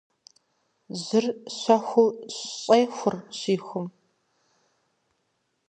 Жьыр щэхуу щӏехур щихум.